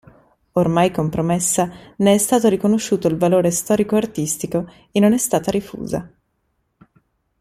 Ormai compromessa, ne è stato riconosciuto il valore storico-artistico e non è stata rifusa.